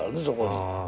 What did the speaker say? そこに。